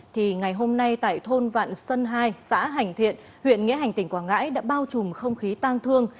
thì ngày hôm nay tại thôn vạn xuân hai xã hành thiện huyện nghĩa hành tỉnh quảng ngãi đã bao trùm không khí tang thương